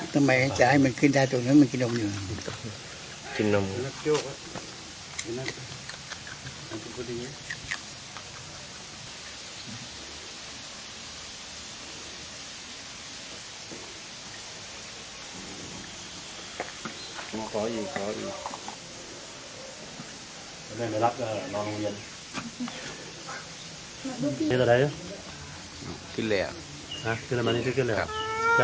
ทำไมจะให้มันขึ้นได้ตรงนั้นมันกินนมอยู่กินนม